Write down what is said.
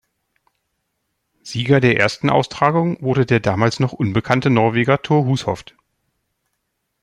Sieger der ersten Austragung wurde der damals noch unbekannte Norweger Thor Hushovd.